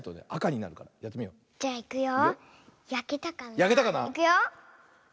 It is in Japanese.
いくよ。